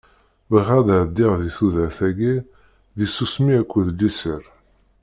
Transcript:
Bɣiɣ ad ɛeddiɣ di tudert-agi di tsusmi akked liser.